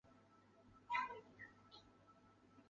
中国大地重力学和地球形状学的创始人。